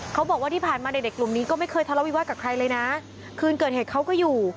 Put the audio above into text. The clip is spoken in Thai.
เขาบอกว่าที่ผ่านมาเด็กเด็กกลุ่มนี้ก็ไม่เคยทะเลาวิวาสกับใครเลยนะคืนเกิดเหตุเขาก็อยู่